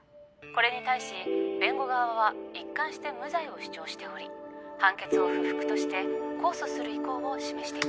これに対し弁護側は一貫して無罪を主張しており判決を不服として控訴する意向を示して。